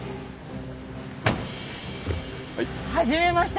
はじめまして。